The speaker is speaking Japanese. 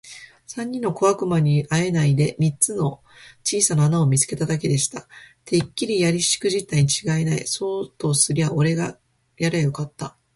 三人の小悪魔にはあえないで、三つの小さな穴を見つけただけでした。「てっきりやりしくじったにちがいない。そうとすりゃおれがやりゃよかった。」